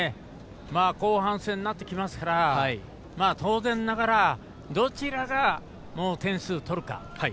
後半戦になってきますから当然ながら、どちらが点数を取るか。